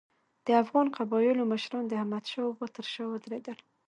د افغان قبایلو مشران د احمدشاه بابا تر شا ودرېدل.